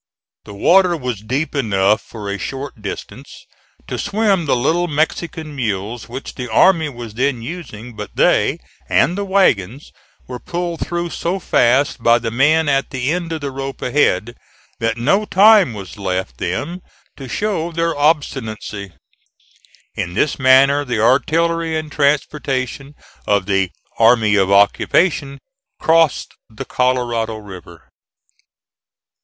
The water was deep enough for a short distance to swim the little Mexican mules which the army was then using, but they, and the wagons, were pulled through so fast by the men at the end of the rope ahead, that no time was left them to show their obstinacy. In this manner the artillery and transportation of the "army of occupation" crossed the Colorado River.